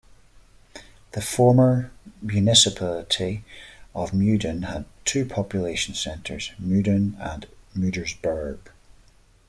The former municipality of Muiden had two population centers: Muiden and Muiderberg.